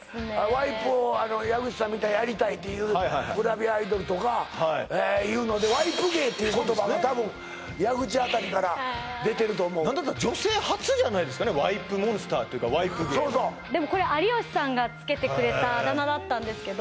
ワイプを矢口さんみたいにやりたいっていうグラビアアイドルとかいうのでっていう言葉が多分矢口あたりから出てると思う何だったら女性初じゃないですかワイプモンスターというかワイプ芸でもこれだったんですけど